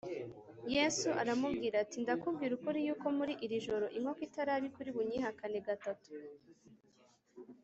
Yesu aramubwira ati “Ndakubwira ukuri yuko muri iri joro, inkoko itarabika uri bunyihakane gatatu.”